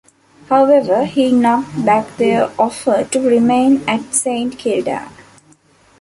However, he knocked back their offer to remain at Saint Kilda.